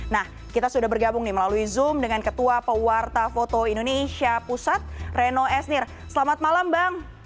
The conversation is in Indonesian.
nah kita sudah bergabung nih melalui zoom dengan ketua pewarta foto indonesia pusat reno esnir selamat malam bang